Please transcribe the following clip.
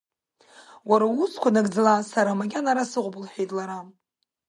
Уара уусқәа нагӡала, сара макьана ара сыҟоуп, – лҳәеит лара.